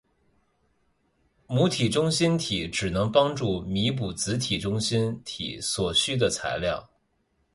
母体中心体只能帮助弥补子体中心体所需的材料。